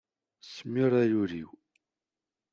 Smir ay ul-iw!